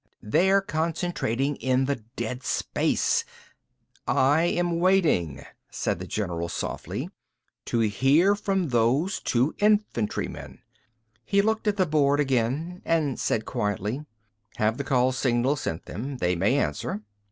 They're concentrating in the dead space—" "I am waiting," said the general softly, "to hear from those two infantrymen." He looked at the board again and said quietly, "Have the call signal sent them. They may answer."